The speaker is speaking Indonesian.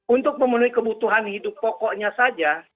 untuk memenuhi kebutuhan hidup pokoknya saja